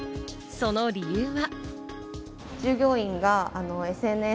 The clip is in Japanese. その理由は。